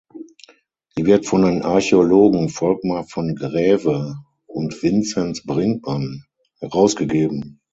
Sie wird von den Archäologen Volkmar von Graeve und Vinzenz Brinkmann herausgegeben.